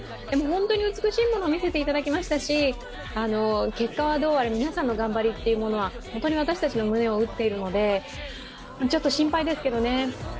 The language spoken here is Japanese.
でも本当に美しいものを見せてもらいましたし結果はどうあれ、皆さんの頑張りは本当に私たちの胸を打っているのでちょっと心配ですけどね。